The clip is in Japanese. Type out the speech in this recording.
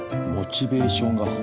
モチベーションが。